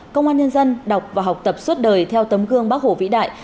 công an nhân dân đọc và học tập suốt đời theo tấm gương bác hồ vĩ đại